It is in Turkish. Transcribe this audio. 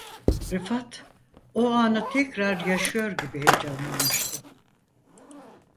Rifat o anı tekrar yaşıyor gibi heyecanlanmıştı.